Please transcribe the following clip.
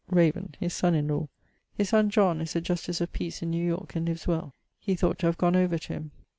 Raven, his son in law. His son (John) is a Justice of Peace in New Yorke, and lives well. He thought to have gonne over to him.